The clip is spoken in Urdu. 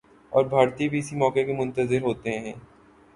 اور بھارتی بھی اسی موقع کے منتظر ہوتے ہیں۔